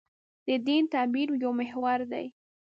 د دین تعبیر یو محور دی.